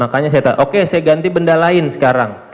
makanya saya ganti benda lain sekarang